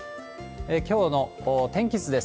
きょうの天気図です。